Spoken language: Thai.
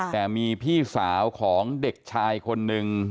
แต่มีพี่สาวของเด็กชายคนหนึ่ง